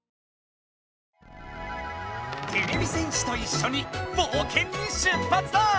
てれび戦士といっしょにぼうけんに出ぱつだ！